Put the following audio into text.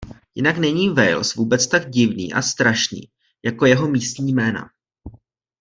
Jinak není Wales vůbec tak divný a strašný jako jeho místní jména.